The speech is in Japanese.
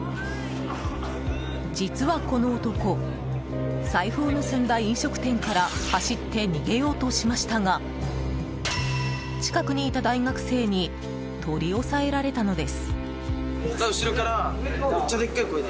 実は、この男財布を盗んだ飲食店から走って逃げようとしましたが近くにいた大学生に取り押さえられたのです。